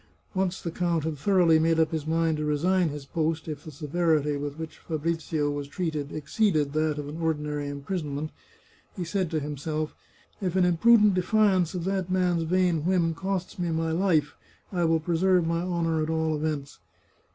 Once the count had thoroughly made up his mind to resign his post if the severity with which Fabrizio was treated exceeded that of an ordinary imprisonment, he said to himself :" If an imprudent defiance of that man's vain whim costs me my life, I will preserve my honour at all events.